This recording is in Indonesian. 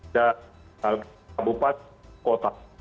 dan kabupaten dan kota